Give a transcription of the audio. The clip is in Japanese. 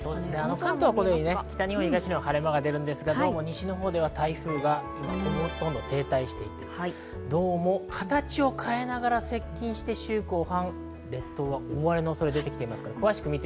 関東は北日本、東日本、晴れ間があるんですが、西日本は台風が停滞していてどうも形を変えながら接近して週後半、列島は大荒れの恐れが出てきています。